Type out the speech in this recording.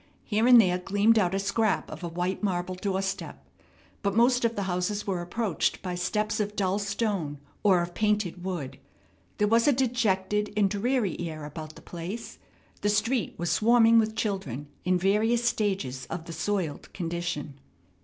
Here and there gleamed out a scrap of a white marble door step, but most of the houses were approached by steps of dull stone or of painted wood. There was a dejected and dreary air about the place. The street was swarming with children in various stages of the soiled condition.